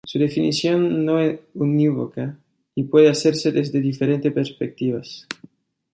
Su definición no es unívoca y puede hacerse desde diferentes perspectivas.